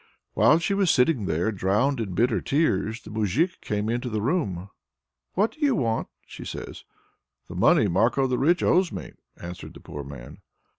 While she was sitting there drowned in bitter tears, the moujik came into the room. "What do you want?" says she. "The money Marko the Rich owes me," answers the poor man.